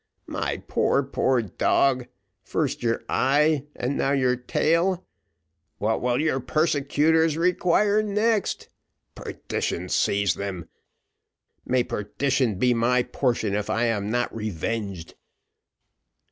"My poor, poor dog! first your eye and now your tail what will your persecutors require next? Perdition seize them! may perdition be my portion if I am not revenged.